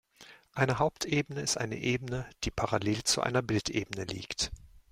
Eine Hauptebene ist eine Ebene, die parallel zu einer Bildebene liegt.